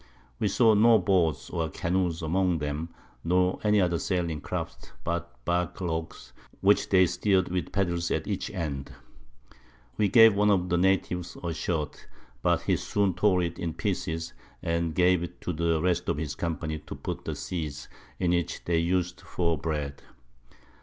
We saw no Boats or Canoes among them, nor any other Sailing Craft, but Bark Logs, which they steer'd with Paddles at each End. We gave one of the Natives a Shirt, but he soon tore it in pieces, and gave it to the rest of his Company to put the Seeds in which they us'd for Bread.